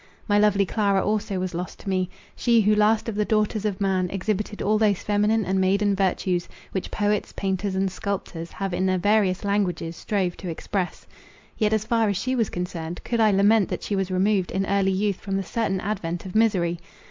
My lovely Clara also was lost to me—she who last of the daughters of man, exhibited all those feminine and maiden virtues, which poets, painters, and sculptors, have in their various languages strove to express. Yet, as far as she was concerned, could I lament that she was removed in early youth from the certain advent of misery?